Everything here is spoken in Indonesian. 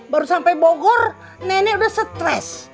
baru sampai bogor nenek udah stres